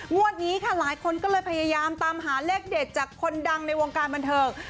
งวดนี้ค่ะหลายคนก็เลยพยายามตามหาเลขเด็ดจากคนดังในวงการบันเทิง